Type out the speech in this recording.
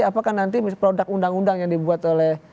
apakah nanti produk undang undang yang dibuat oleh